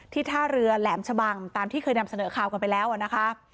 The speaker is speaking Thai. ท่าเรือแหลมชะบังตามที่เคยนำเสนอข่าวกันไปแล้วนะคะ